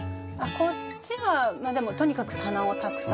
こっちはまあでもとにかく棚をたくさんというのと。